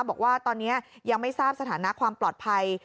บอกว่าตอนนี้ยังไม่ทราบสถานะความปลอดภัย